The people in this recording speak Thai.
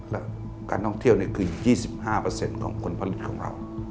และการท่องเที่ยวคือ๒๕ของผลผลิตของเรา